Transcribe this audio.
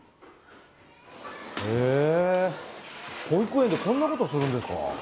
へえ保育園でこんな事するんですか。